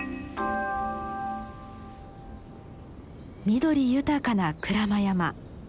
緑豊かな鞍馬山。